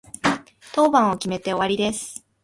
当番を決めて終わりです。